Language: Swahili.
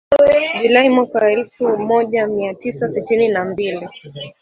Julai mwaka wa elfu moja mia tisa sitini na mbili .